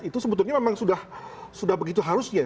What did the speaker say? itu sebetulnya memang sudah begitu harusnya